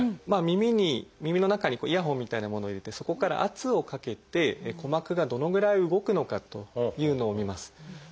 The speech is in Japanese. まあ耳に耳の中にイヤホンみたいなものを入れてそこから圧をかけて鼓膜がどのぐらい動くのかというのを診ます。